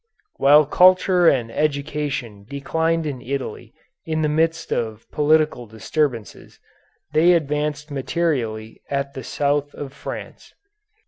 While culture and education declined in Italy in the midst of political disturbances, they advanced materially at the south of France.